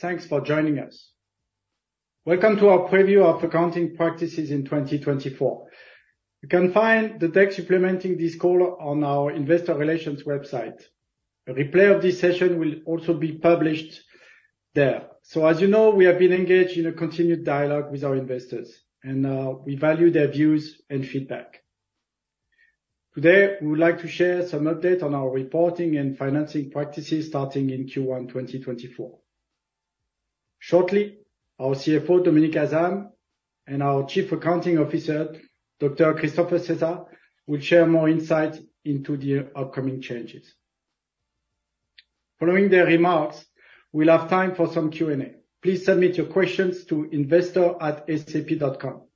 Thanks for joining us. Welcome to our preview of accounting practices in 2024. You can find the deck supplementing this call on our investor relations website. A replay of this session will also be published there. So as you know, we have been engaged in a continued dialogue with our investors, and, we value their views and feedback. Today, we would like to share some updates on our reporting and financing practices starting in Q1, 2024. Shortly, our CFO, Dominik Asam, and our Chief Accounting Officer, Dr. Christopher Sessar, will share more insight into the upcoming changes. Following their remarks, we'll have time for some Q&A. Please submit your questions to investor@sap.com. You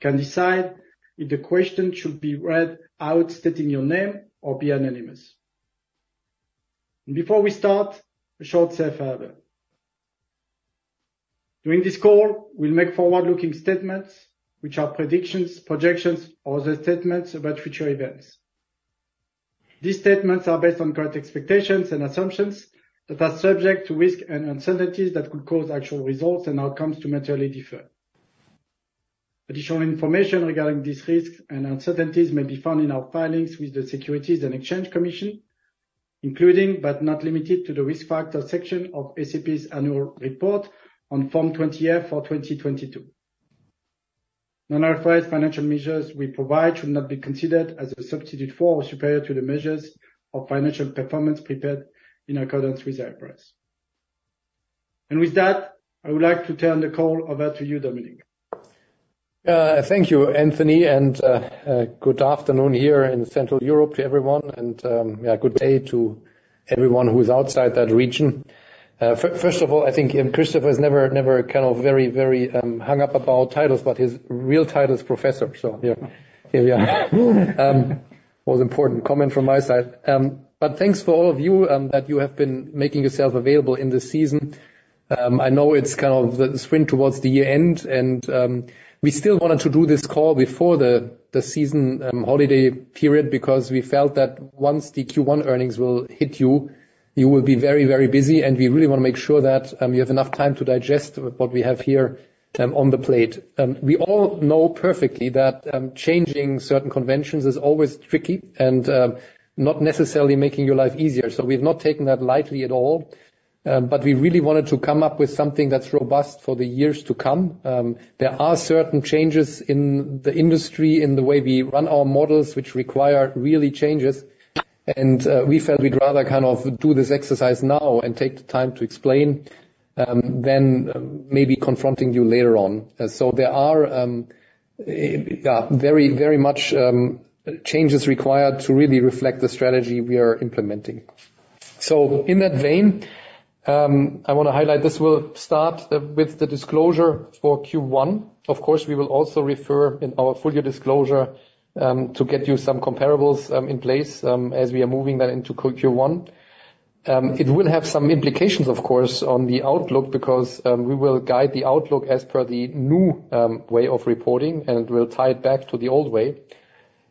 can decide if the question should be read out, stating your name or be anonymous. Before we start, a short safe harbor. During this call, we'll make forward-looking statements, which are predictions, projections, or other statements about future events. These statements are based on current expectations and assumptions that are subject to risks and uncertainties that could cause actual results and outcomes to materially differ. Additional information regarding these risks and uncertainties may be found in our filings with the Securities and Exchange Commission, including, but not limited to, the Risk Factors section of SAP's annual report on Form 20-F for 2022. Non-IFRS financial measures we provide should not be considered as a substitute for or superior to the measures of financial performance prepared in accordance with IFRS. With that, I would like to turn the call over to you, Dominik. Thank you, Anthony, and good afternoon here in Central Europe, everyone, and yeah, good day to everyone who is outside that region. First of all, I think Christopher is never kind of very hung up about titles, but his real title is Professor. So yeah, here we are. Most important comment from my side. But thanks for all of you that you have been making yourself available in this season. I know it's kind of the sprint towards the end, and we still wanted to do this call before the season holiday period because we felt that once the Q1 earnings will hit you, you will be very busy, and we really want to make sure that you have enough time to digest what we have here on the plate. We all know perfectly that, changing certain conventions is always tricky and, not necessarily making your life easier. So we've not taken that lightly at all, but we really wanted to come up with something that's robust for the years to come. There are certain changes in the industry, in the way we run our models, which require really changes, and, we felt we'd rather kind of do this exercise now and take the time to explain, than maybe confronting you later on. So there are, very, very much, changes required to really reflect the strategy we are implementing. So in that vein, I want to highlight this. We'll start with the disclosure for Q1. Of course, we will also refer in our full-year disclosure to get you some comparables in place as we are moving that into Q1. It will have some implications, of course, on the outlook, because we will guide the outlook as per the new way of reporting, and we'll tie it back to the old way.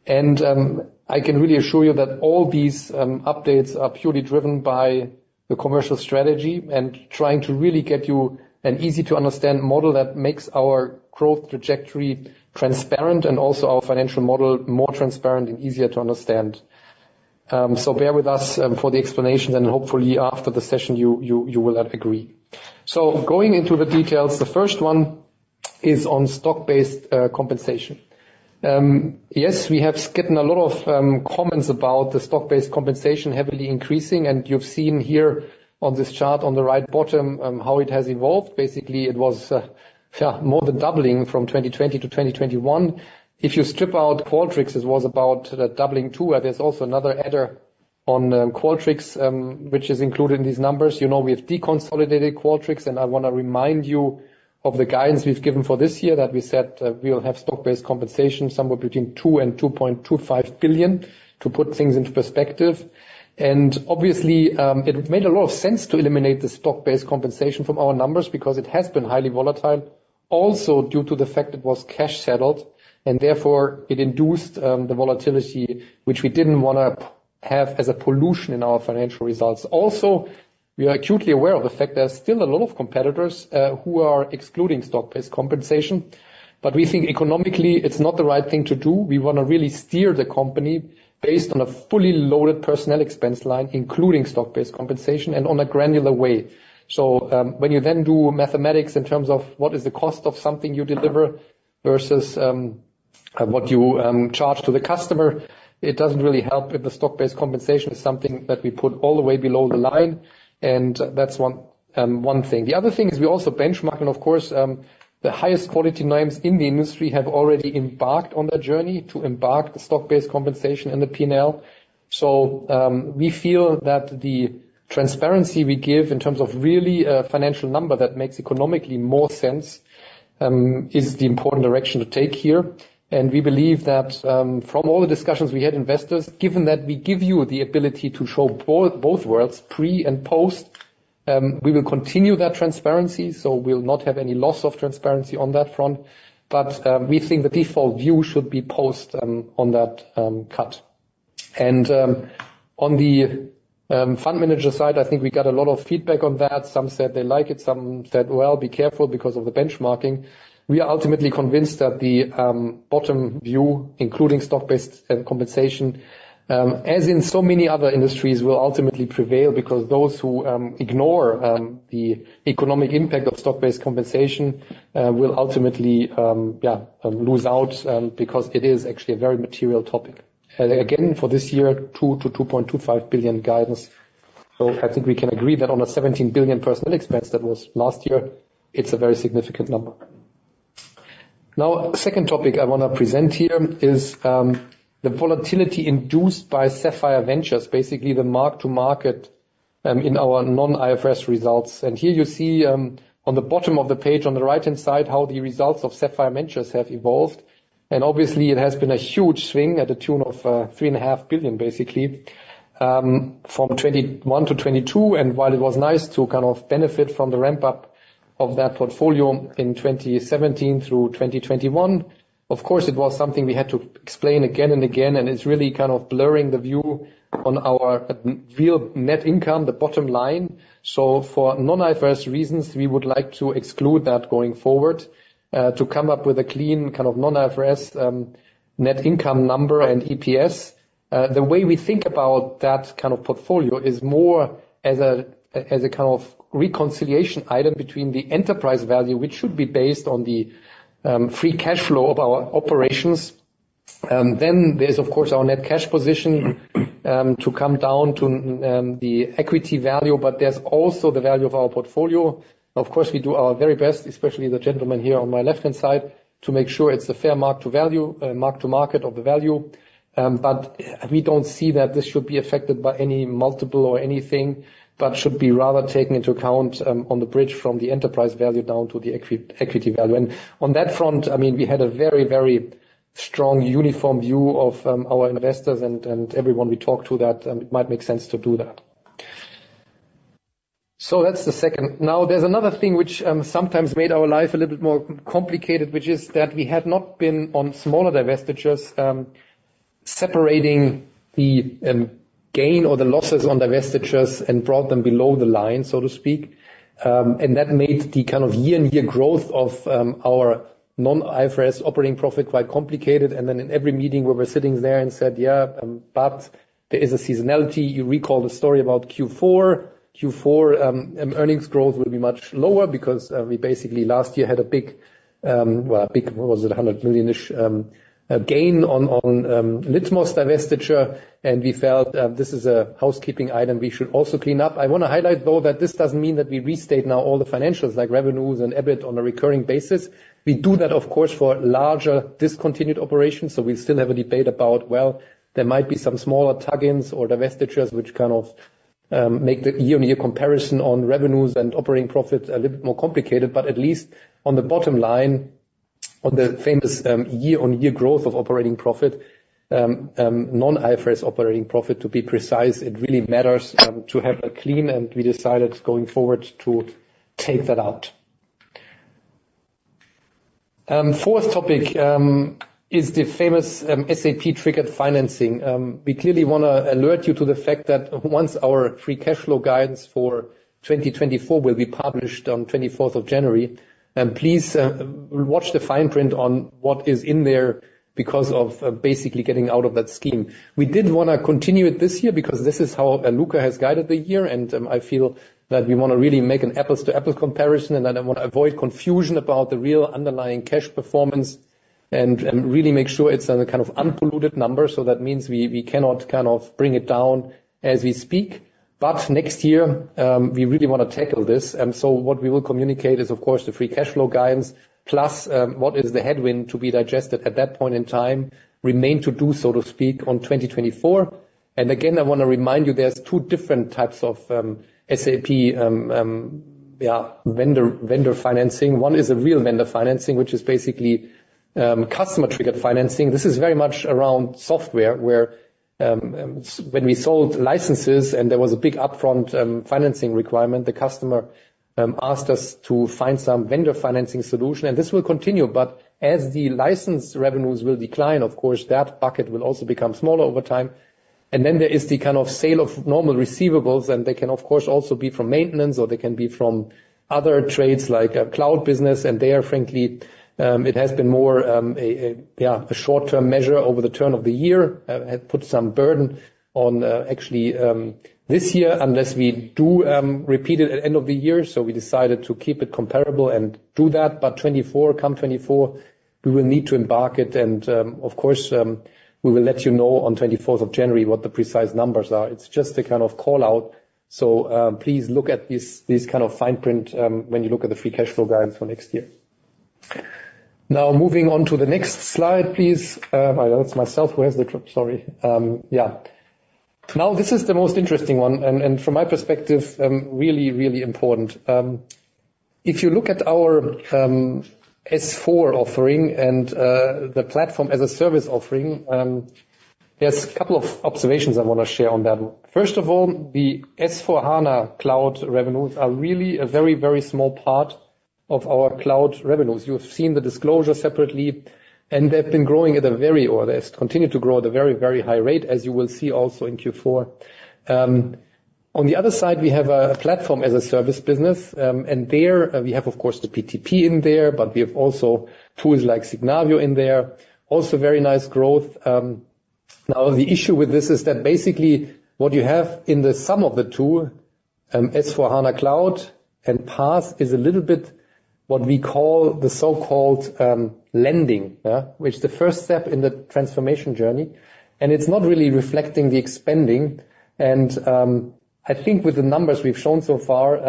I can really assure you that all these updates are purely driven by the commercial strategy and trying to really get you an easy-to-understand model that makes our growth trajectory transparent and also our financial model more transparent and easier to understand. So bear with us for the explanation, and hopefully after the session, you, you, you will agree. So going into the details, the first one is on stock-based compensation. Yes, we have gotten a lot of comments about the stock-based compensation heavily increasing, and you've seen here on this chart on the right bottom how it has evolved. Basically, it was more than doubling from 2020 to 2021. If you strip out Qualtrics, it was about doubling too, where there's also another adder on Qualtrics, which is included in these numbers. You know, we have deconsolidated Qualtrics, and I want to remind you of the guidance we've given for this year, that we said we will have stock-based compensation somewhere between 2 billion-2.25 billion, to put things into perspective. Obviously, it made a lot of sense to eliminate the stock-based compensation from our numbers because it has been highly volatile, also due to the fact it was cash settled, and therefore it induced the volatility, which we didn't want to have as a pollution in our financial results. Also, we are acutely aware of the fact there are still a lot of competitors who are excluding stock-based compensation, but we think economically it's not the right thing to do. We want to really steer the company based on a fully loaded personnel expense line, including stock-based compensation and on a granular way. So, when you then do mathematics in terms of what is the cost of something you deliver versus what you charge to the customer, it doesn't really help if the stock-based compensation is something that we put all the way below the line, and that's one thing. The other thing is we also benchmark, and of course the highest quality names in the industry have already embarked on a journey to embark the stock-based compensation in the P&L. So, we feel that the transparency we give in terms of really a financial number that makes economically more sense is the important direction to take here. We believe that, from all the discussions we had, investors, given that we give you the ability to show both, both worlds, pre and post, we will continue that transparency, so we'll not have any loss of transparency on that front, but, we think the default view should be post, on that, cut. On the fund manager side, I think we got a lot of feedback on that. Some said they like it, some said, "Well, be careful because of the benchmarking." We are ultimately convinced that the bottom view, including stock-based compensation, as in so many other industries, will ultimately prevail. Because those who ignore the economic impact of stock-based compensation will ultimately lose out, because it is actually a very material topic. Again, for this year, 2 billion-2.25 billion guidance. So I think we can agree that on a 17 billion personnel expense that was last year, it's a very significant number. Now, second topic I wanna present here is, the volatility induced by Sapphire Ventures, basically the mark to market, in our non-IFRS results. And here you see, on the bottom of the page, on the right-hand side, how the results of Sapphire Ventures have evolved. And obviously, it has been a huge swing at the tune of, 3.5 billion, basically, from 2021 to 2022. And while it was nice to kind of benefit from the ramp-up of that portfolio in 2017 through 2021, of course, it was something we had to explain again and again, and it's really kind of blurring the view on our real net income, the bottom line. So for non-IFRS reasons, we would like to exclude that going forward, to come up with a clean, kind of, non-IFRS, net income number and EPS. The way we think about that kind of portfolio is more as a, as a kind of reconciliation item between the enterprise value, which should be based on the, free cash flow of our operations. Then there's, of course, our net cash position, to come down to, the equity value, but there's also the value of our portfolio. Of course, we do our very best, especially the gentleman here on my left-hand side, to make sure it's a fair mark to market of the value. But we don't see that this should be affected by any multiple or anything, but should be rather taken into account on the bridge from the enterprise value down to the equity value. And on that front, I mean, we had a very, very strong uniform view of our investors and, and everyone we talked to that it might make sense to do that. So that's the second. Now, there's another thing which sometimes made our life a little bit more complicated, which is that we had not been on smaller divestitures, separating the gains or the losses on divestitures and brought them below the line, so to speak. And that made the kind of year-on-year growth of our Non-IFRS operating profit quite complicated. And then in every meeting, we were sitting there and said, "Yeah, but there is a seasonality." You recall the story about Q4. Q4 earnings growth will be much lower because we basically last year had a big, well, a big, what was it? 100 million-ish gain on Litmos divestiture, and we felt this is a housekeeping item we should also clean up. I wanna highlight, though, that this doesn't mean that we restate now all the financials, like revenues and EBIT on a recurring basis. We do that, of course, for larger discontinued operations, so we still have a debate about, well, there might be some smaller tuck-ins or divestitures which kind of make the year-on-year comparison on revenues and operating profits a little bit more complicated. But at least on the bottom line, on the famous year-on-year growth of operating profit, non-IFRS operating profit, to be precise, it really matters to have a clean, and we decided going forward to take that out. Fourth topic is the famous SAP-triggered financing. We clearly wanna alert you to the fact that once our free cash flow guidance for 2024 will be published on January 24th, please watch the fine print on what is in there, because of basically getting out of that scheme. We didn't wanna continue it this year because this is how Luka has guided the year, and I feel that we wanna really make an apples-to-apples comparison. I want to avoid confusion about the real underlying cash performance and really make sure it's on a kind of unpolluted number. So that means we cannot kind of bring it down as we speak. Next year, we really wanna tackle this. So what we will communicate is, of course, the free cash flow guidance, plus what is the headwind to be digested at that point in time, remain to do, so to speak, on 2024. Again, I wanna remind you, there's two different types of SAP vendor financing. One is a real vendor financing, which is basically customer-triggered financing. This is very much around software, where, when we sold licenses and there was a big upfront financing requirement, the customer asked us to find some vendor financing solution, and this will continue. But as the license revenues will decline, of course, that bucket will also become smaller over time. And then there is the kind of sale of normal receivables, and they can, of course, also be from maintenance, or they can be from other trades, like a cloud business. And there, frankly, it has been more a short-term measure over the turn of the year. Had put some burden on, actually, this year, unless we do repeat it at end of the year. So we decided to keep it comparable and do that. But 2024, come 2024, we will need to embark it. Of course, we will let you know on 24th of January what the precise numbers are. It's just a kind of call-out. So, please look at this, this kind of fine print, when you look at the free cash flow guidance for next year. Now, moving on to the next slide, please. Well, Sorry. Yeah. Now, this is the most interesting one, and from my perspective, really, really important. If you look at our S/4 offering and the platform as a service offering, there's a couple of observations I wanna share on that. First of all, the S/4HANA Cloud revenues are really a very, very small part of our cloud revenues. You've seen the disclosure separately, and they've been growing at a very, or they continue to grow at a very, very high rate, as you will see also in Q4. On the other side, we have a platform as a service business, and there, we have, of course, the BTP in there, but we have also tools like Signavio in there. Also very nice growth. Now, the issue with this is that basically, what you have in the sum of the two, S/4HANA Cloud and PaaS, is a little bit what we call the so-called, lending, yeah, which is the first step in the transformation journey, and it's not really reflecting the expanding. I think with the numbers we've shown so far,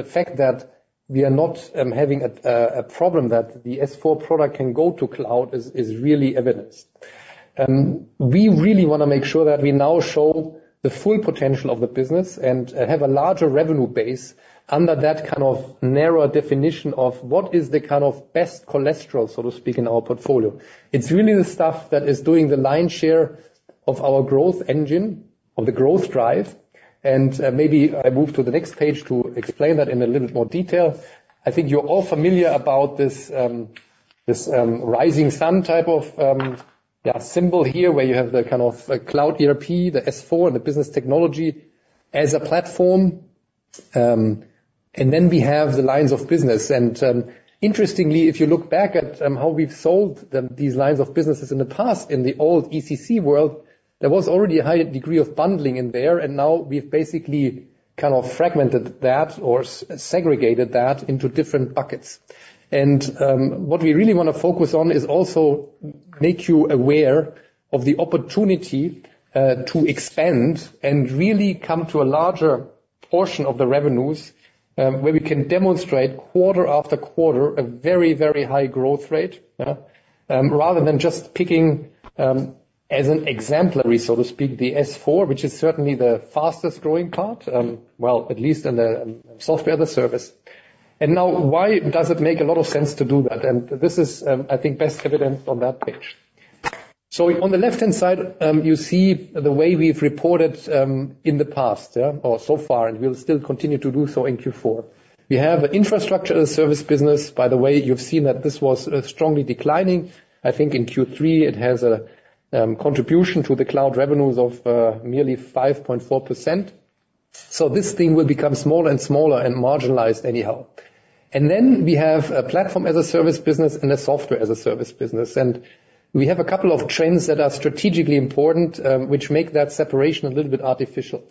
the fact that we are not having a problem, that the S/4 product can go to cloud is really evidenced. We really want to make sure that we now show the full potential of the business and have a larger revenue base under that kind of narrow definition of what is the kind of best cholesterol, so to speak, in our portfolio. It's really the stuff that is doing the lion's share of our growth engine, of the growth drive, and maybe I move to the next page to explain that in a little more detail. I think you're all familiar about this, this rising sun type of yeah symbol here, where you have the kind of cloud ERP, the S/4, and the business technology as a platform. And then we have the lines of business, and, interestingly, if you look back at, how we've sold them, these lines of businesses in the past, in the old ECC world, there was already a high degree of bundling in there, and now we've basically kind of fragmented that or segregated that into different buckets. And, what we really want to focus on is also make you aware of the opportunity, to expand and really come to a larger portion of the revenues, where we can demonstrate quarter after quarter, a very, very high growth rate, yeah. Rather than just picking, as an exemplary, so to speak, the S/4, which is certainly the fastest-growing part, well, at least in the software service. And now, why does it make a lot of sense to do that? This is, I think, best evidenced on that page. On the left-hand side, you see the way we've reported in the past, yeah, or so far, and we'll still continue to do so in Q4. We have infrastructure as a service business. By the way, you've seen that this was strongly declining. I think in Q3, it has a contribution to the cloud revenues of nearly 5.4%. So this thing will become smaller and smaller and marginalized anyhow. And then we have a platform as a service business and a software as a service business. And we have a couple of trends that are strategically important, which make that separation a little bit artificial.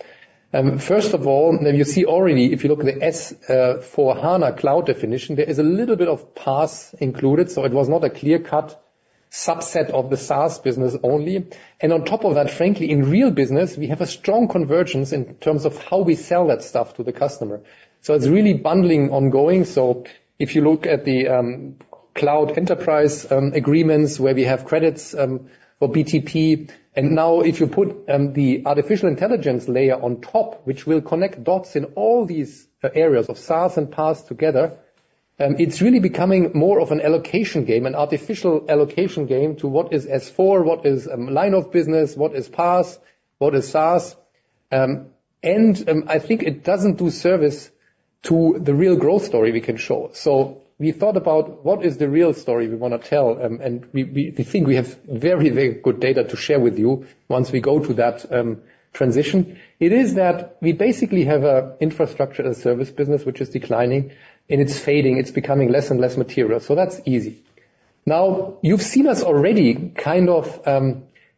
First of all, and you see already, if you look at the S/4HANA Cloud definition, there is a little bit of PaaS included, so it was not a clear-cut subset of the SaaS business only. And on top of that, frankly, in real business, we have a strong convergence in terms of how we sell that stuff to the customer. So it's really bundling ongoing. So if you look at the Cloud Enterprise Agreements, where we have credits for BTP, and now if you put the artificial intelligence layer on top, which will connect dots in all these areas of SaaS and PaaS together, it's really becoming more of an allocation game, an artificial allocation game to what is S/4, what is a line of business, what is PaaS, what is SaaS? And, I think it doesn't do service to the real growth story we can show. So we thought about what is the real story we want to tell, and we think we have very, very good data to share with you once we go through that transition. It is that we basically have a infrastructure as a service business, which is declining, and it's fading. It's becoming less and less material, so that's easy. Now, you've seen us already kind of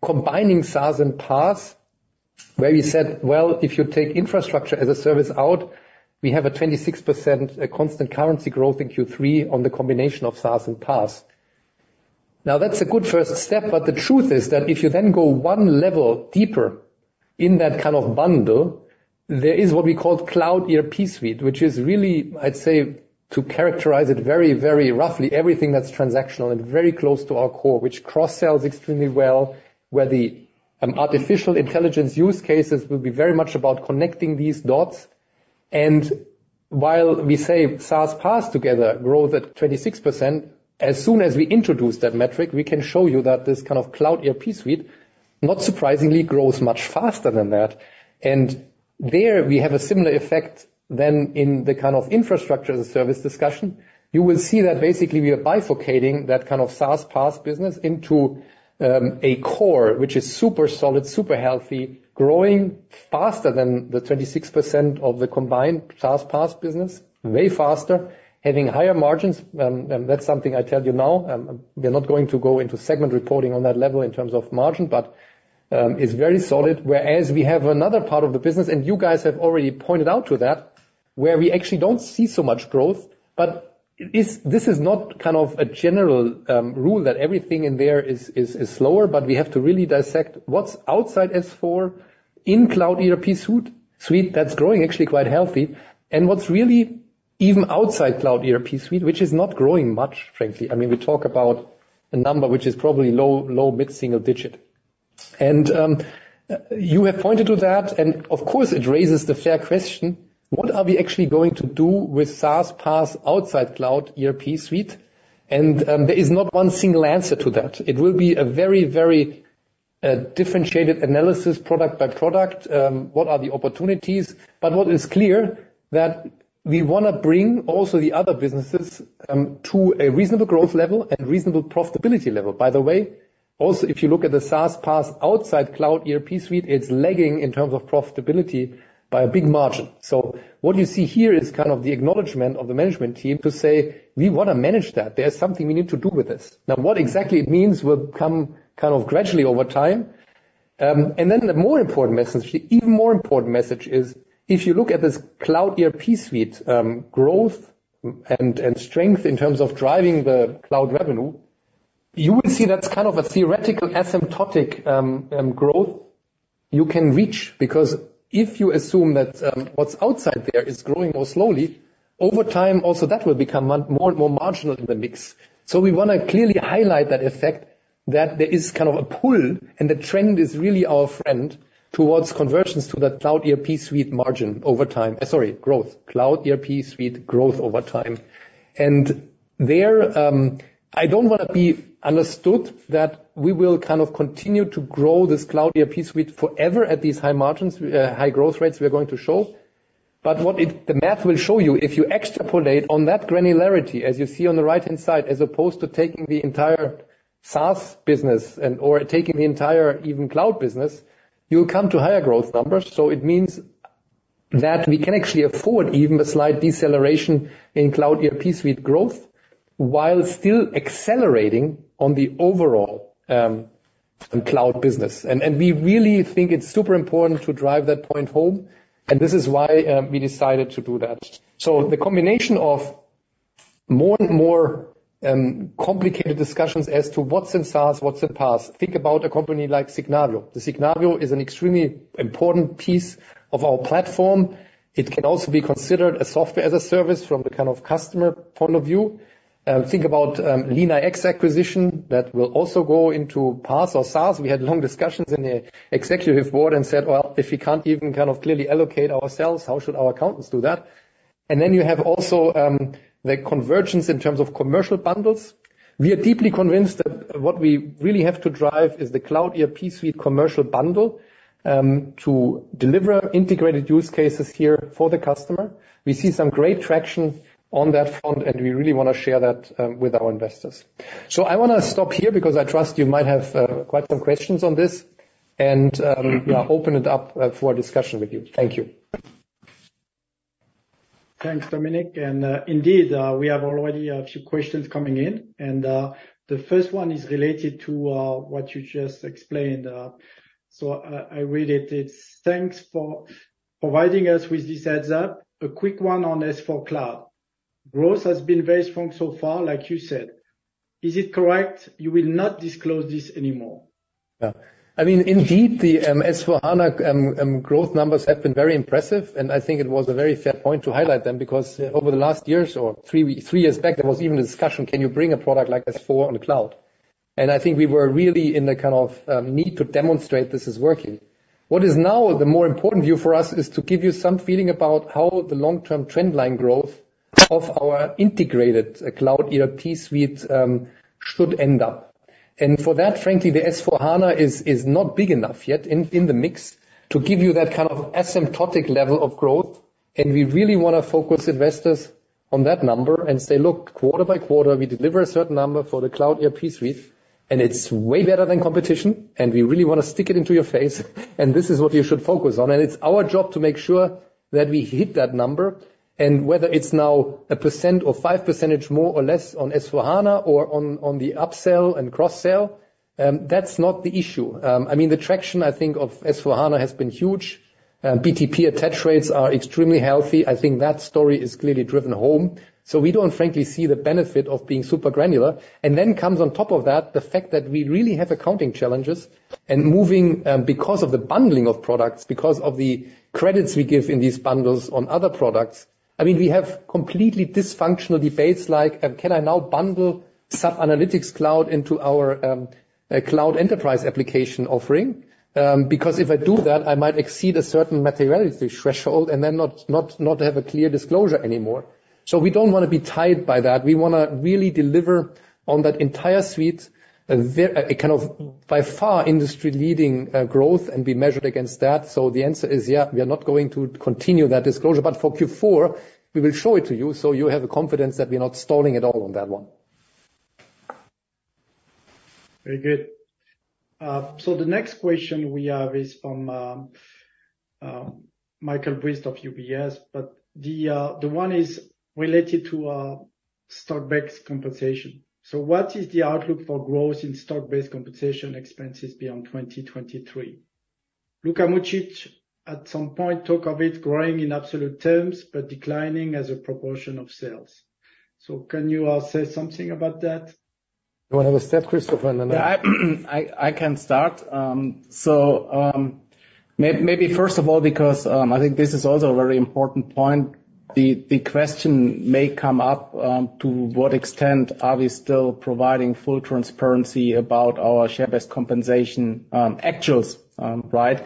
combining SaaS and PaaS, where we said, "Well, if you take infrastructure as a service out, we have a 26% constant currency growth in Q3 on the combination of SaaS and PaaS." Now, that's a good first step, but the truth is that if you then go one level deeper in that kind of bundle, there is what we call Cloud ERP suite, which is really, I'd say, to characterize it very, very roughly, everything that's transactional and very close to our core, which cross-sells extremely well, where the artificial intelligence use cases will be very much about connecting these dots. And while we say SaaS, PaaS together grows at 26%, as soon as we introduce that metric, we can show you that this kind of Cloud ERP suite, not surprisingly, grows much faster than that. And there, we have a similar effect than in the kind of infrastructure as a service discussion. You will see that basically, we are bifurcating that kind of SaaS, PaaS business into, a core, which is super solid, super healthy, growing faster than the 26% of the combined SaaS, PaaS business, way faster, having higher margins. And that's something I tell you now, we're not going to go into segment reporting on that level in terms of margin, but, it's very solid. Whereas we have another part of the business, and you guys have already pointed out to that, where we actually don't see so much growth. But this is not kind of a general rule that everything in there is slower, but we have to really dissect what's outside S/4HANA in Cloud ERP suite, that's growing actually quite healthy, and what's really even outside Cloud ERP suite, which is not growing much, frankly. I mean, we talk about a number which is probably low- to low-mid single-digit. You have pointed to that, and of course, it raises the fair question: What are we actually going to do with SaaS, PaaS outside Cloud ERP suite? There is not one single answer to that. It will be a very differentiated analysis product by product, what are the opportunities? But what is clear, that we want to bring also the other businesses to a reasonable growth level and reasonable profitability level. By the way, also, if you look at the SaaS, PaaS outside Cloud ERP suite, it's lagging in terms of profitability by a big margin. So what you see here is kind of the acknowledgment of the management team to say, "We want to manage that. There's something we need to do with this." Now, what exactly it means will come kind of gradually over time. And then the more important message, the even more important message is, if you look at this Cloud ERP suite, growth, and strength in terms of driving the cloud revenue, you will see that's kind of a theoretical asymptotic growth you can reach. Because if you assume that, what's outside there is growing more slowly, over time, also, that will become more and more marginal in the mix. So we want to clearly highlight that effect, that there is kind of a pull, and the trend is really our friend towards convergence to the Cloud ERP suite margin over time. Sorry, growth. Cloud ERP suite growth over time. And there, I don't want to be understood that we will kind of continue to grow this Cloud ERP suite forever at these high margins, high growth rates we are going to show. But what the math will show you, if you extrapolate on that granularity, as you see on the right-hand side, as opposed to taking the entire SaaS business and/or taking the entire even cloud business, you'll come to higher growth numbers. So it means that we can actually afford even a slight deceleration in Cloud ERP suite growth while still accelerating on the overall, cloud business. And we really think it's super important to drive that point home, and this is why we decided to do that. So the combination of more and more complicated discussions as to what's in SaaS, what's in PaaS. Think about a company like Signavio. The Signavio is an extremely important piece of our platform. It can also be considered a software as a service from the kind of customer point of view. Think about LeanIX acquisition. That will also go into PaaS or SaaS. We had long discussions in the executive board and said, "Well, if we can't even kind of clearly allocate ourselves, how should our accountants do that?" And then you have also the convergence in terms of commercial bundles. We are deeply convinced that what we really have to drive is the Cloud ERP suite commercial bundle, to deliver integrated use cases here for the customer. We see some great traction on that front, and we really want to share that, with our investors. So I want to stop here because I trust you might have quite some questions on this, and open it up for a discussion with you. Thank you. Thanks, Dominik, and, indeed, we have already a few questions coming in, and, the first one is related to, what you just explained. So I, I read it. It's: Thanks for providing us with this heads-up. A quick one on S/4 Cloud. Growth has been very strong so far, like you said. Is it correct you will not disclose this anymore? Yeah. I mean, indeed, the S/4HANA growth numbers have been very impressive, and I think it was a very fair point to highlight them, because over the last years or three weeks, three years back, there was even a discussion, can you bring a product like S/4HANA on the cloud? And I think we were really in the kind of need to demonstrate this is working. What is now the more important view for us is to give you some feeling about how the long-term trend line growth of our integrated Cloud ERP suite should end up. And for that, frankly, the S/4HANA is not big enough yet in the mix to give you that kind of asymptotic level of growth. We really want to focus investors on that number and say: Look, quarter by quarter, we deliver a certain number for the Cloud ERP suite, and it's way better than competition, and we really want to stick it into your face, and this is what you should focus on. It's our job to make sure that we hit that number. Whether it's now 1% or 5% more or less on S/4HANA or on the upsell and cross-sell, that's not the issue. I mean, the traction, I think, of S/4HANA has been huge. BTP attach rates are extremely healthy. I think that story is clearly driven home. So we don't, frankly, see the benefit of being super granular. And then comes on top of that, the fact that we really have accounting challenges and moving, because of the bundling of products, because of the credits we give in these bundles on other products. I mean, we have completely dysfunctional debates like, can I now bundle some analytics cloud into our, cloud enterprise application offering? Because if I do that, I might exceed a certain materiality threshold and then not, not, not have a clear disclosure anymore. So we don't want to be tied by that. We want to really deliver on that entire suite, a ver- a kind of, by far, industry-leading, growth, and be measured against that. So the answer is, yeah, we are not going to continue that disclosure. But for Q4, we will show it to you, so you have the confidence that we're not stalling at all on that one. Very good. So the next question we have is from Michael Briest of UBS, but the one is related to stock-based compensation. So what is the outlook for growth in stock-based compensation expenses beyond 2023? Luka Mucic at some point talked of it growing in absolute terms, but declining as a proportion of sales. So can you say something about that? You want to have a step, Christopher, and then I- Yeah, I can start. So, maybe first of all, because I think this is also a very important point, the question may come up: To what extent are we still providing full transparency about our share-based compensation actuals, right?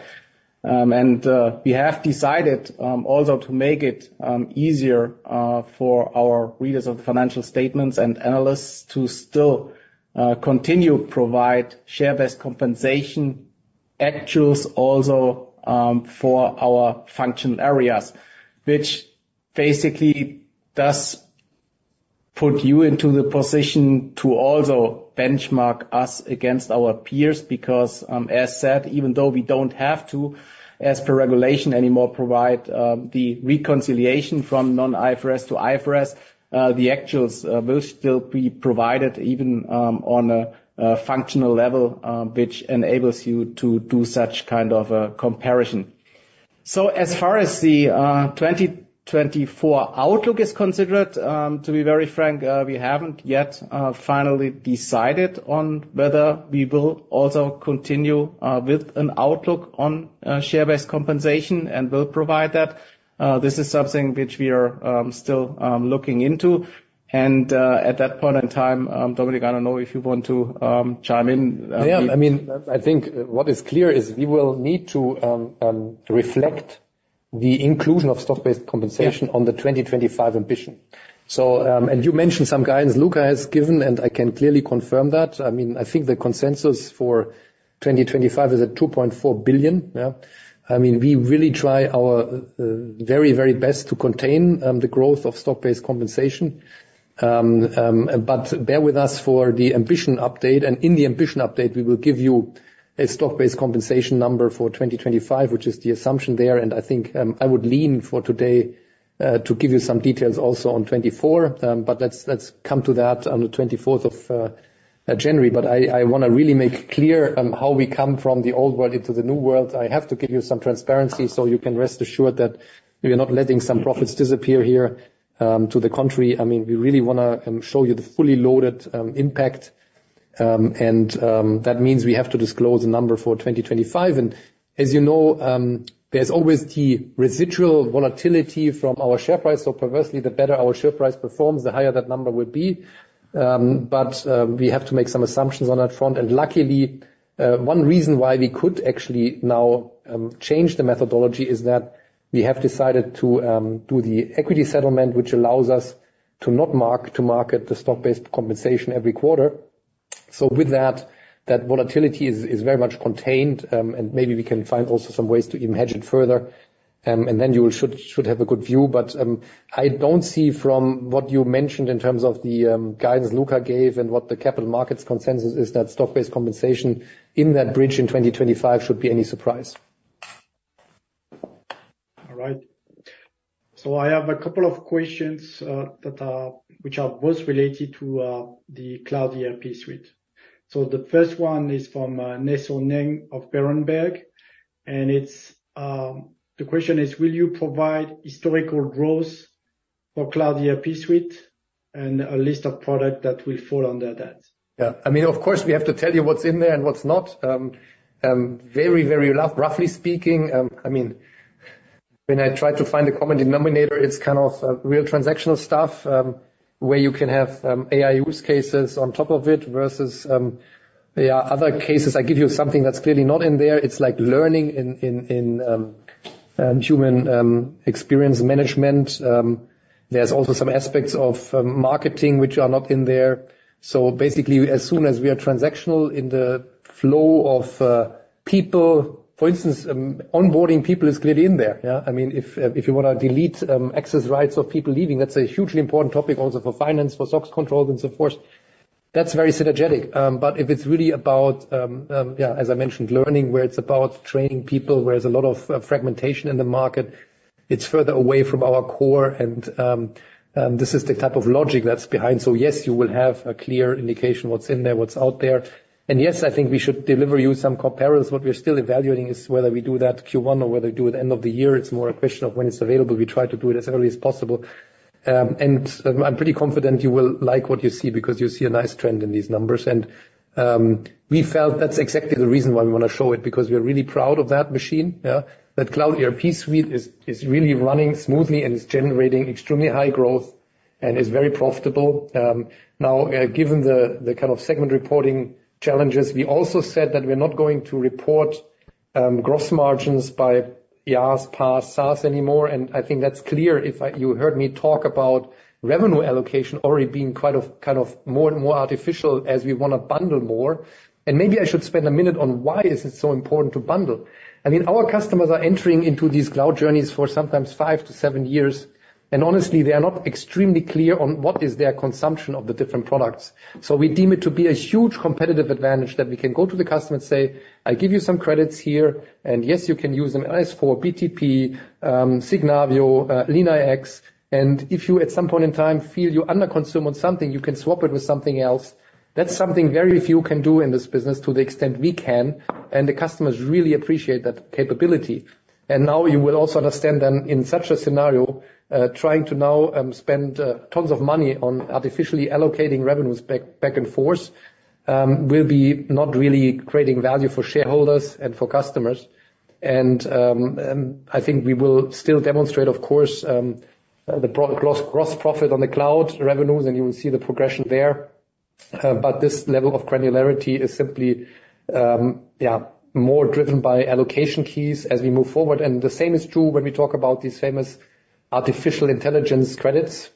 And we have decided also to make it easier for our readers of financial statements and analysts to still continue provide share-based compensation actuals also for our functional areas. Which basically does put you into the position to also benchmark us against our peers, because, as said, even though we don't have to, as per regulation anymore, provide the reconciliation from non-IFRS to IFRS, the actuals will still be provided even on a functional level, which enables you to do such kind of a comparison. So as far as the 2024 outlook is considered, to be very frank, we haven't yet finally decided on whether we will also continue with an outlook on share-based compensation and will provide that. This is something which we are still looking into, and at that point in time, Dominik, I don't know if you want to chime in? Yeah, I mean, I think what is clear is we will need to reflect the inclusion of stock-based compensation- Yeah on the 2025 ambition. So, and you mentioned some guidance Luka has given, and I can clearly confirm that. I mean, I think the consensus for 2025 is at 2.4 billion, yeah. I mean, we really try our, very, very best to contain, the growth of stock-based compensation. But bear with us for the ambition update, and in the ambition update, we will give you a stock-based compensation number for 2025, which is the assumption there. And I think, I would lean for today, to give you some details also on 2024, but let's, let's come to that on the 24th of January. But I, I wanna really make clear, how we come from the old world into the new world. I have to give you some transparency, so you can rest assured that we are not letting some profits disappear here, to the contrary. I mean, we really wanna show you the fully loaded impact, and that means we have to disclose a number for 2025. And as you know, there's always the residual volatility from our share price. So perversely, the better our share price performs, the higher that number will be. But we have to make some assumptions on that front. And luckily, one reason why we could actually now change the methodology is that we have decided to do the equity settlement, which allows us to not mark to market the stock-based compensation every quarter. So with that, that volatility is very much contained, and maybe we can find also some ways to hedge it further. And then you should have a good view. But I don't see from what you mentioned in terms of the guidance Luka gave and what the capital markets consensus is, that stock-based compensation in that bridge in 2025 should be any surprise. All right. So I have a couple of questions which are both related to the Cloud ERP suite. So the first one is from Nay Soe Naing of Berenberg, and it's the question is: Will you provide historical growth for Cloud ERP suite and a list of products that will fall under that? Yeah. I mean, of course, we have to tell you what's in there and what's not. Very, very roughly speaking, I mean, when I try to find a common denominator, it's kind of real transactional stuff, where you can have AI use cases on top of it versus there are other cases. I give you something that's clearly not in there. It's like learning in human experience management. There's also some aspects of marketing which are not in there. So basically, as soon as we are transactional in the flow of people-- For instance, onboarding people is clearly in there, yeah? I mean, if you want to delete access rights of people leaving, that's a hugely important topic also for finance, for SOX controls and so forth. That's very synergetic. But if it's really about, yeah, as I mentioned, learning, where it's about training people, where there's a lot of fragmentation in the market, it's further away from our core, and this is the type of logic that's behind. So yes, you will have a clear indication what's in there, what's out there. And yes, I think we should deliver you some comparisons. What we are still evaluating is whether we do that Q1 or whether we do it end of the year. It's more a question of when it's available. We try to do it as early as possible. And I'm pretty confident you will like what you see, because you'll see a nice trend in these numbers. And we felt that's exactly the reason why we want to show it, because we are really proud of that machine, yeah? That Cloud ERP suite is really running smoothly and is generating extremely high growth and is very profitable. Now, given the kind of segment reporting challenges, we also said that we're not going to report gross margins by IaaS, PaaS, SaaS anymore. And I think that's clear if you heard me talk about revenue allocation already being quite of, kind of, more and more artificial as we want to bundle more. And maybe I should spend a minute on why is it so important to bundle. I mean, our customers are entering into these cloud journeys for sometimes five to seven years, and honestly, they are not extremely clear on what is their consumption of the different products. So we deem it to be a huge competitive advantage that we can go to the customer and say, "I'll give you some credits here, and yes, you can use them as for BTP, Signavio, LeanIX. And if you, at some point in time, feel you underconsume on something, you can swap it with something else." That's something very few can do in this business to the extent we can, and the customers really appreciate that capability. And now you will also understand then, in such a scenario, trying to now spend tons of money on artificially allocating revenues back and forth will be not really creating value for shareholders and for customers. And, I think we will still demonstrate, of course, the gross profit on the cloud revenues, and you will see the progression there. But this level of granularity is simply more driven by allocation keys as we move forward. And the same is true when we talk about these famous artificial intelligence credits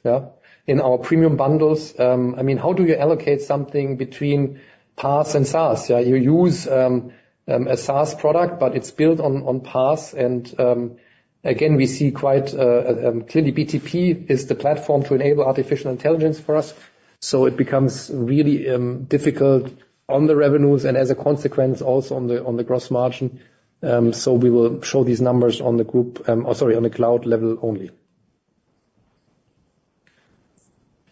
in our premium bundles. I mean, how do you allocate something between PaaS and SaaS? You use a SaaS product, but it's built on PaaS. And again, we see quite clearly, BTP is the platform to enable artificial intelligence for us, so it becomes really difficult on the revenues and as a consequence, also on the gross margin. So we will show these numbers on the group, or sorry, on the cloud level only.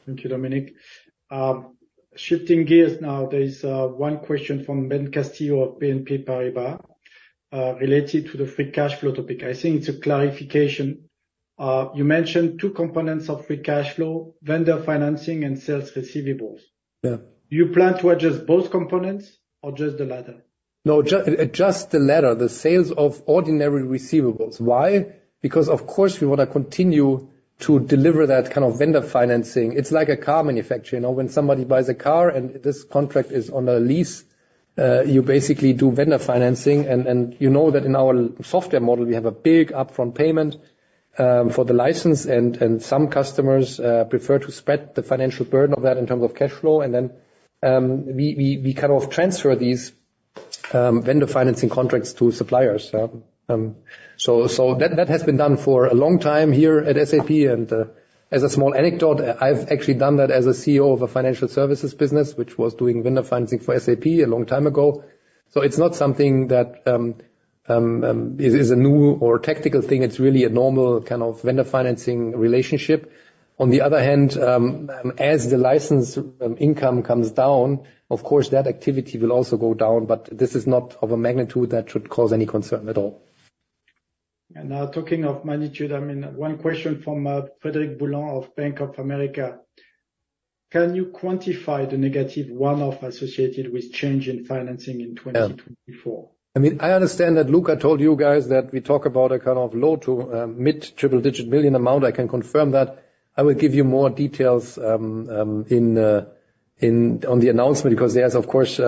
Thank you, Dominik. Shifting gears now, there's one question from Ben Castillo of BNP Paribas, related to the free cash flow topic. I think it's a clarification. You mentioned two components of free cash flow: vendor financing and sales receivables. Yeah. Do you plan to adjust both components or just the latter? No, just the latter, the sales of ordinary receivables. Why? Because, of course, we want to continue to deliver that kind of vendor financing. It's like a car manufacturer. You know, when somebody buys a car and this contract is on a lease, you basically do vendor financing. And, and you know that in our software model, we have a big upfront payment, for the license, and, and some customers, prefer to spread the financial burden of that in terms of cash flow. And then, we kind of transfer these, vendor financing contracts to suppliers. So, that has been done for a long time here at SAP. And, as a small anecdote, I've actually done that as a CEO of a financial services business, which was doing vendor financing for SAP a long time ago. So it's not something that is a new or tactical thing. It's really a normal kind of vendor financing relationship. On the other hand, as the license income comes down, of course, that activity will also go down, but this is not of a magnitude that should cause any concern at all. Now talking of magnitude, I mean, one question from Frederic Boulan of Bank of America: Can you quantify the negative one-off associated with change in financing in 2024? Yeah. I mean, I understand that Luka told you guys that we talk about a kind of low- to mid-triple-digit million-EUR amount. I can confirm that. I will give you more details in on the announcement, because there's, of course...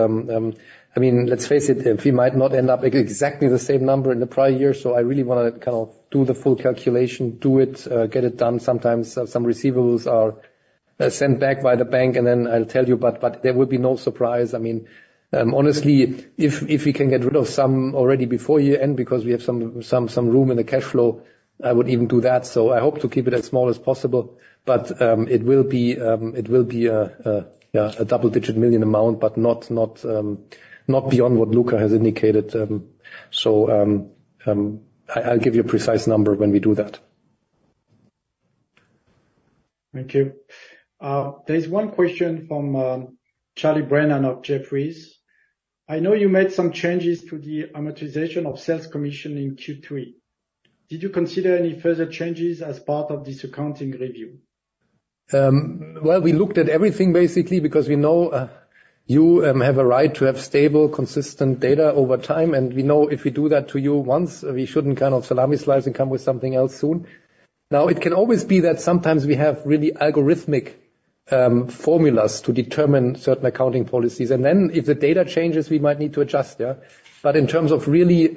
I mean, let's face it, if we might not end up exactly the same number in the prior year, so I really want to kind of do the full calculation, do it, get it done. Sometimes, some receivables are sent back by the bank, and then I'll tell you, but there will be no surprise. I mean, honestly, if we can get rid of some already before year-end, because we have some room in the cash flow, I would even do that. I hope to keep it as small as possible, but it will be a double-digit million amount, but not beyond what Luka has indicated. I'll give you a precise number when we do that. Thank you. There is one question from Charlie Brennan of Jefferies. I know you made some changes to the amortization of sales commission in Q3. Did you consider any further changes as part of this accounting review? Well, we looked at everything, basically, because we know you have a right to have stable, consistent data over time, and we know if we do that to you once, we shouldn't kind of salami slice and come with something else soon. Now, it can always be that sometimes we have really algorithmic formulas to determine certain accounting policies, and then if the data changes, we might need to adjust, yeah. But in terms of really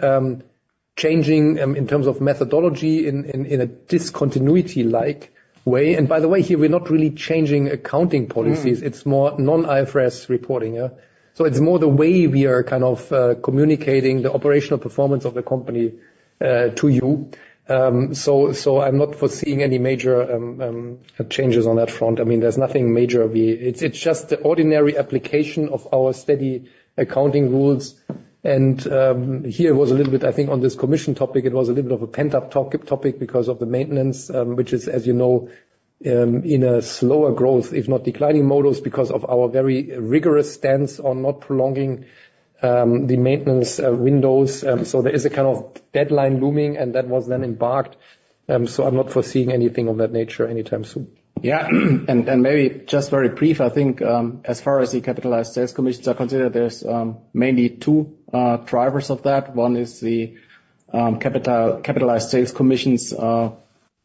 changing in terms of methodology in a discontinuity-like way, and by the way, here, we're not really changing accounting policies. Mm. It's more Non-IFRS reporting, yeah. So it's more the way we are kind of communicating the operational performance of the company to you. So I'm not foreseeing any major changes on that front. I mean, there's nothing major, it's just the ordinary application of our steady accounting rules. And here was a little bit, I think, on this commission topic, it was a little bit of a pent-up topic because of the maintenance, which is, as you know, in a slower growth, if not declining models, because of our very rigorous stance on not prolonging the maintenance windows. So there is a kind of deadline looming, and that was then embarked. So I'm not foreseeing anything of that nature anytime soon. Yeah, and maybe just very brief, I think, as far as the capitalized sales commissions are considered, there's mainly two drivers of that. One is the capitalized sales commissions,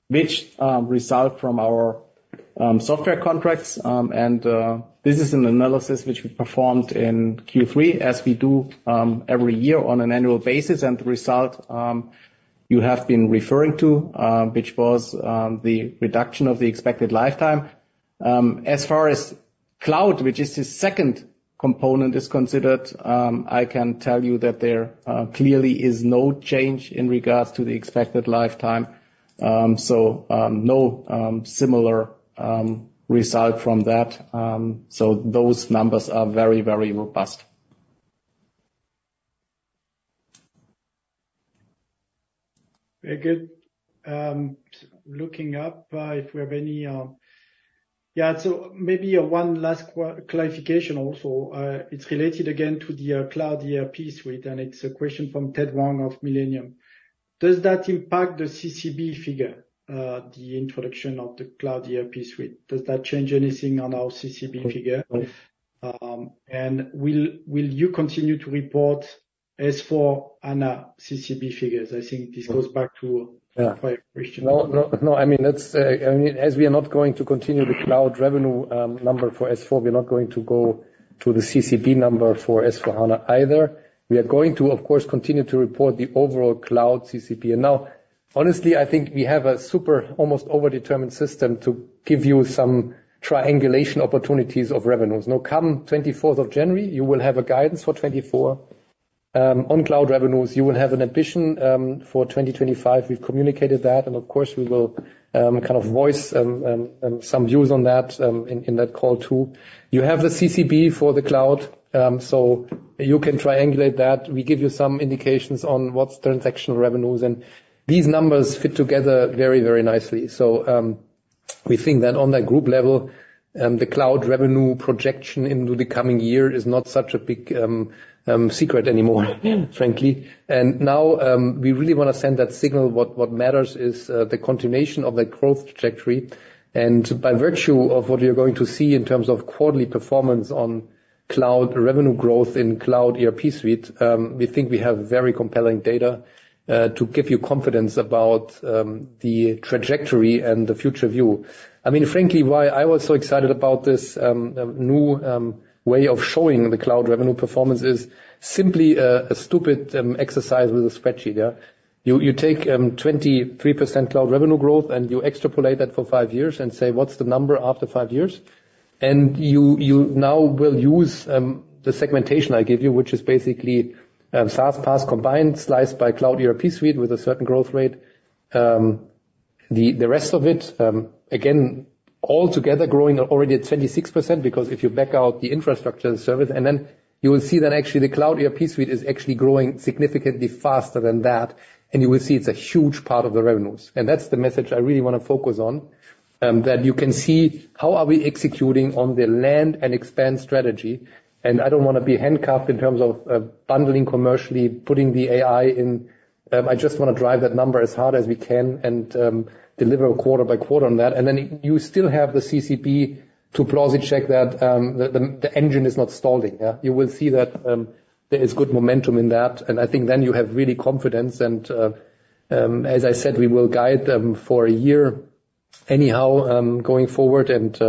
which result from our software contracts. And this is an analysis which we performed in Q3, as we do every year on an annual basis. And the result you have been referring to, which was the reduction of the expected lifetime. As far as cloud, which is the second component, is considered, I can tell you that there clearly is no change in regards to the expected lifetime. So no similar result from that. So those numbers are very, very robust. Very good. Looking up if we have any... Yeah, so maybe one last clarification also. It's related again to the Cloud ERP suite, and it's a question from Ted Wong of Millennium. Does that impact the CCB figure, the introduction of the Cloud ERP suite? Does that change anything on our CCB figure? No. And will you continue to report S/4HANA CCB figures. I think this goes back to- Yeah. My question. No, no, no. I mean, that's, I mean, as we are not going to continue the cloud revenue, number for S/4, we're not going to go to the CCB number for S/4HANA either. We are going to, of course, continue to report the overall cloud CCB. Now, honestly, I think we have a super, almost overdetermined system to give you some triangulation opportunities of revenues. Now, come 24th of January, you will have a guidance for 2024, on cloud revenues. You will have an ambition, for 2025. We've communicated that, and of course, we will, kind of voice, some views on that, in that call, too. You have the CCB for the cloud, so you can triangulate that. We give you some indications on what's transactional revenues, and these numbers fit together very, very nicely. So, we think that on that group level, the cloud revenue projection into the coming year is not such a big secret anymore, frankly. Now, we really want to send that signal, what matters is the continuation of the growth trajectory. By virtue of what you're going to see in terms of quarterly performance on cloud revenue growth in Cloud ERP suite, we think we have very compelling data to give you confidence about the trajectory and the future view. I mean, frankly, why I was so excited about this new way of showing the cloud revenue performance is simply a stupid exercise with a spreadsheet, yeah? You take 23% cloud revenue growth, and you extrapolate that for five years and say, "What's the number after five years?" And you now will use the segmentation I gave you, which is basically SaaS, PaaS combined, sliced by Cloud ERP suite with a certain growth rate. The rest of it, again, all together growing already at 26%, because if you back out the infrastructure and service... And then you will see that actually, the Cloud ERP suite is actually growing significantly faster than that, and you will see it's a huge part of the revenues. And that's the message I really want to focus on, that you can see how are we executing on the land and expand strategy. I don't want to be handcuffed in terms of bundling commercially, putting the AI in. I just want to drive that number as hard as we can and deliver quarter by quarter on that. And then you still have the CCB to plausi-check that the engine is not stalling, yeah? You will see that there is good momentum in that, and I think then you have really confidence. And as I said, we will guide them for a year anyhow, going forward. And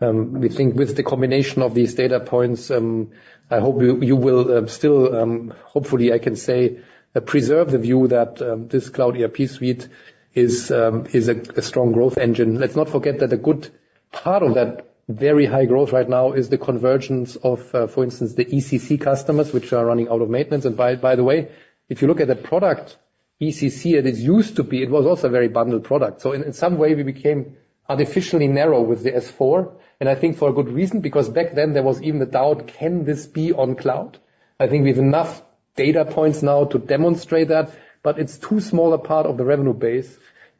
we think with the combination of these data points, I hope you will still, hopefully, I can say, preserve the view that this Cloud ERP suite is a strong growth engine. Let's not forget that a good part of that very high growth right now is the convergence of, for instance, the ECC customers, which are running out of maintenance. And by the way, if you look at the product, ECC, it used to be, it was also a very bundled product. So in some way, we became artificially narrow with the S/4, and I think for a good reason, because back then there was even a doubt, can this be on cloud? I think we have enough data points now to demonstrate that, but it's too small a part of the revenue base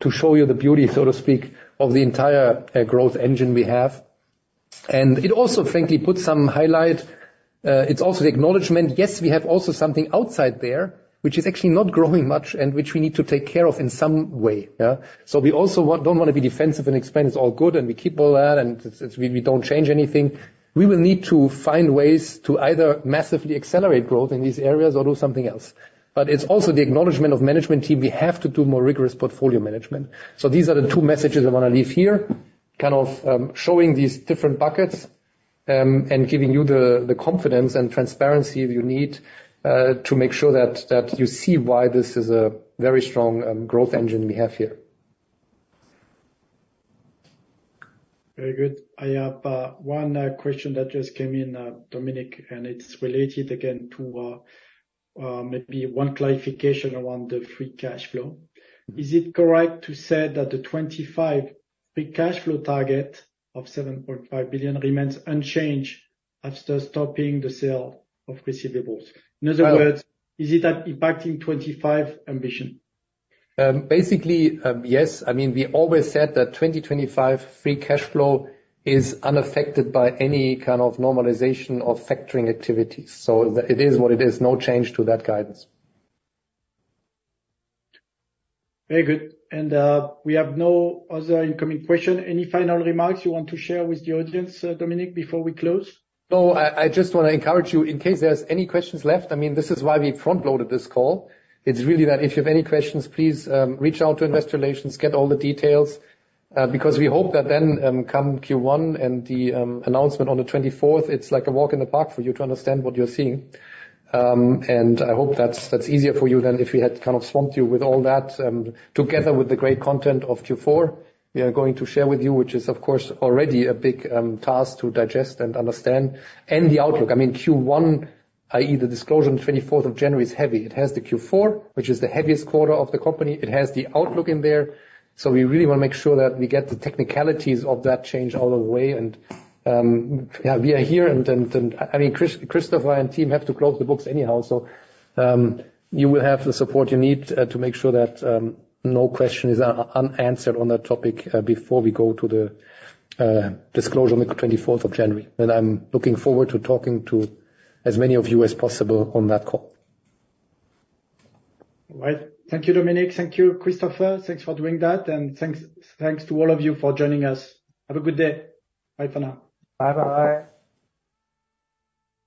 to show you the beauty, so to speak, of the entire growth engine we have. And it also, frankly, puts some highlight. It's also the acknowledgment, yes, we have also something outside there, which is actually not growing much and which we need to take care of in some way, yeah? So we also want--don't want to be defensive and explain it's all good, and we keep all that, and it's, we don't change anything. We will need to find ways to either massively accelerate growth in these areas or do something else. But it's also the acknowledgment of management team, we have to do more rigorous portfolio management. So these are the two messages I want to leave here, kind of, showing these different buckets, and giving you the confidence and transparency you need, to make sure that you see why this is a very strong, growth engine we have here. Very good. I have one question that just came in, Dominik, and it's related again to maybe one clarification around the free cash flow. Is it correct to say that the 2025 free cash flow target of 7.5 billion remains unchanged after stopping the sale of receivables? In other words, is it impacting 2025 ambition? Basically, yes. I mean, we always said that 2025 free cash flow is unaffected by any kind of normalization of factoring activities. So it is what it is. No change to that guidance. Very good. We have no other incoming question. Any final remarks you want to share with the audience, Dominik, before we close? No, I just want to encourage you, in case there's any questions left, I mean, this is why we front-loaded this call. It's really that if you have any questions, please, reach out to investor relations, get all the details, because we hope that then, come Q1 and the announcement on the 24th, it's like a walk in the park for you to understand what you're seeing. And I hope that's easier for you than if we had kind of swamped you with all that, together with the great content of Q4 we are going to share with you, which is, of course, already a big task to digest and understand, and the outlook. I mean, Q1, i.e., the disclosure on24th of January, is heavy. It has the Q4, which is the heaviest quarter of the company. It has the outlook in there. So we really want to make sure that we get the technicalities of that change out of the way. And, yeah, we are here, and then, I mean, Christopher and team have to close the books anyhow. So, you will have the support you need, to make sure that, no question is unanswered on that topic, before we go to the disclosure on the 24th of January. And I'm looking forward to talking to as many of you as possible on that call. All right. Thank you, Dominik. Thank you, Christopher. Thanks for doing that, and thanks, thanks to all of you for joining us. Have a good day. Bye for now. Bye-bye.